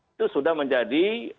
itu sudah menjadi